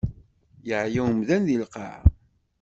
Yeɛya umdan di lqaɛa.